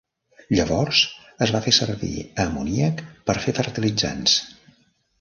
Llavors es va fer servir amoníac per fer fertilitzants.